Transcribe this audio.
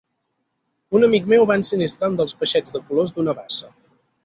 Un amic meu va ensinistrar un dels peixets de colors d'una bassa.